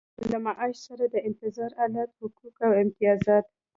له معاش سره د انتظار حالت حقوق او امتیازات.